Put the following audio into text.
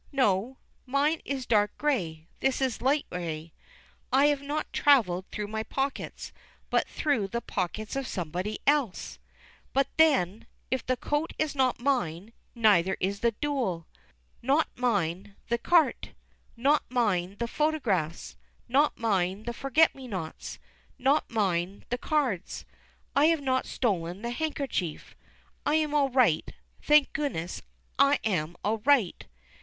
No, mine is dark grey, this is light grey. I have not travelled through my pockets, but through the pockets of somebody else. But then if the coat is not mine, neither is the duel. Not mine the carte. Not mine the photographs. Not mine the forget me nots. Not mine the cards. I have not stolen the handkerchief. I am all right; thank goodness I am all right!